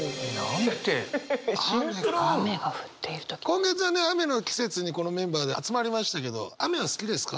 今月はね雨の季節にこのメンバーで集まりましたけど雨は好きですか？